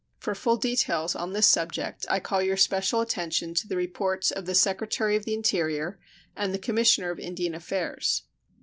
For full details on this subject I call your special attention to the reports of the Secretary of the Interior and the Commissioner of Indian Affairs.